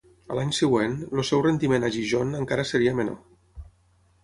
A l'any següent, el seu rendiment a Gijón encara seria menor.